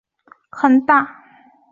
香港风雨很大